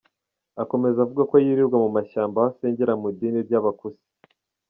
Akomeza avuga ko yirirwa mu mashyamba aho asengera mu idini ry’Abakusi.